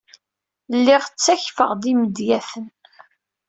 Lliɣ ttakfeɣ-d imedyaten.